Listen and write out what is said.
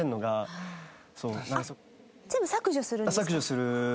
全部削除するんですか？